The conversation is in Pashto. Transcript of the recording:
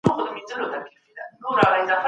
ژوندي موجودات د خدای د قدرت نښي دي.